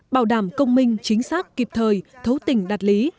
bảo đảm công minh chính xác kịp thời thấu tình đạt lý